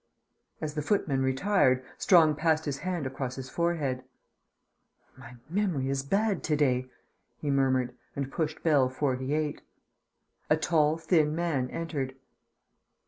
As the footman retired, Strong passed his hand across his forehead. "My memory is bad to day," he murmured, and pushed bell "48." A tall thin man entered.